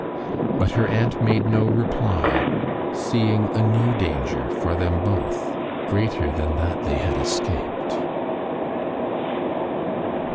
But her aunt made no reply, seeing a new danger for them both, greater than that they had escaped.